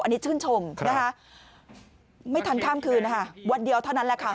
อันนี้ชื่นชมนะคะไม่ทันข้ามคืนนะคะวันเดียวเท่านั้นแหละค่ะ